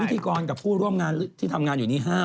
พิธีกรกับผู้ร่วมงานที่ทำงานอยู่นี้๕